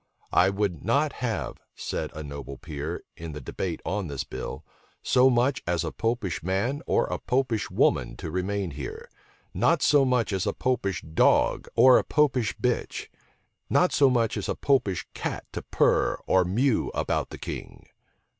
"I would not have," said a noble peer, in the debate on this bill, "so much as a Popish man or a Popish woman to remain here; not so much as a Popish dog or a Popish bitch; not so much as a Popish cat to pur or mew about the king."